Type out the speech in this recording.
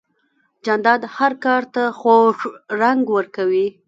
جانداد هر کار ته خوږ رنګ ورکوي.